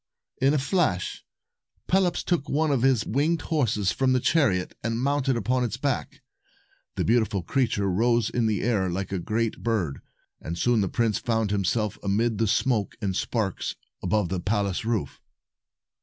266 In a flash, Pelops took one of his winged horses from the chariot, and mounted upon its back. The beautiful creature rose in the air like a great bird, and soon the prince found him self amid the smoke and sparks above the palace roof.